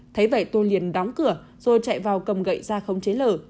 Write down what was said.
thấy vậy tôi liền đóng cửa rồi chạy vào cầm gậy ra không chế lờ